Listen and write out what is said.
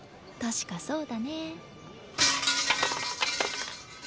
確かそうだね。